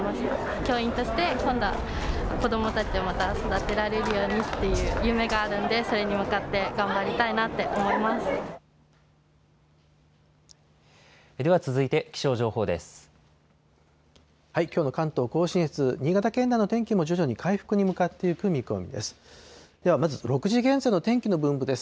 きょうの関東甲信越、新潟県など、天気も徐々に回復に向かっていく見込みです。